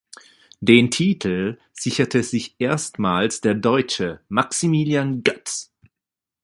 Den Titel sicherte sich erstmals der Deutsche Maximilian Götz.